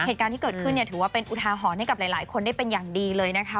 เหตุการณ์ที่เกิดขึ้นถือว่าเป็นอุทาหรณ์ให้กับหลายคนได้เป็นอย่างดีเลยนะคะ